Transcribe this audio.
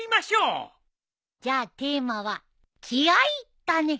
じゃあテーマは「気合」だね。